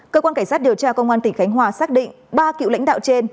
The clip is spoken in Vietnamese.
cơ quan cảnh sát điều tra công an tỉnh khánh hòa xác định ba cựu lãnh đạo trên